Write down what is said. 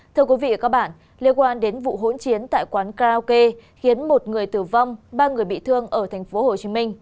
thưa quý vị và các bạn liên quan đến vụ hỗn chiến tại quán karaoke khiến một người tử vong ba người bị thương ở tp hcm